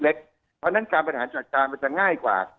เพราะฉะนั้นการบริหารจัดการมันจะง่ายกว่า